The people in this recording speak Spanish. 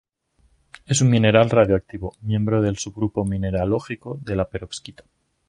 Es un mineral radioactivo, miembro del subgrupo mineralógico de la perovskita.